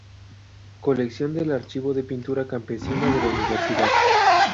Colección del archivo de pintura campesina de la universidad.